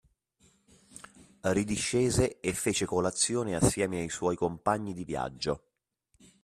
Ridiscese e fece colazione assieme ai suoi compagni di viaggio.